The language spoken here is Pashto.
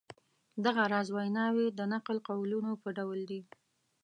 دغه راز ویناوی د نقل قولونو په ډول دي.